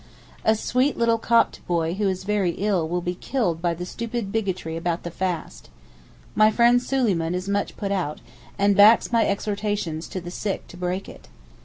A sweet little Copt boy who is very ill will be killed by the stupid bigotry about the fast. My friend Suleyman is much put out, and backs my exhortations to the sick to break it.